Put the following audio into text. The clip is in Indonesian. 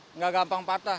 tidak gampang patah